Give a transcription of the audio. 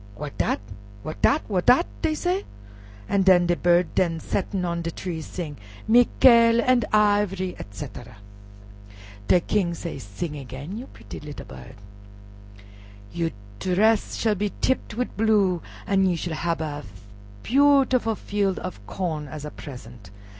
"What dat? What dat? What dat?" dey say, an' de bird den settin' on de tree sing, "Mikale an' iv'ry," etc. De King say, "Sing again, you pritty lil' bird. You dress shall be tipped with blue, an' you shall hab a beautiful field of corn as a present."